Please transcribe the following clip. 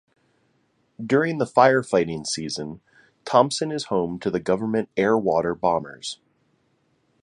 During the fire fighting season, Thompson is home to the Government Air water bombers.